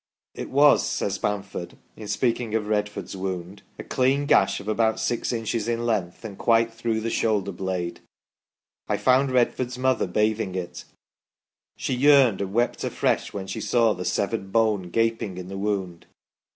" It was," says Bamford, in speaking of Redford's wound, " a clean gash of about six inches in length and quite through the shoulder blade. I found Redford's mother bathing it. She yearned and wept afresh when she saw the severed bone gaping in the wound.